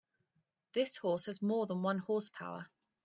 This horse has more than one horse power.